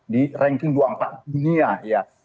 di ranking dua puluh empat dunia ya